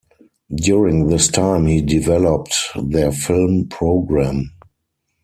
During this time he developed their film programme.